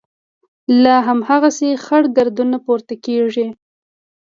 لا هم هماغسې خړ ګردونه پورته کېږي.